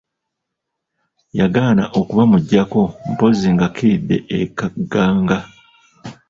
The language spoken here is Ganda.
Yagaana okubamuggyako mpozzi ng'akkiridde e Kaganga.